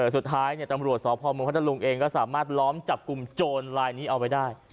สุดท้ายตำรวจสพมพัทธรุงเองก็สามารถล้อมจับกลุ่มโจรลายนี้เอาไว้ได้